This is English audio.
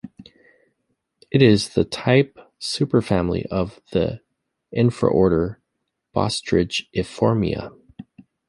It is the type superfamily of the infraorder Bostrichiformia.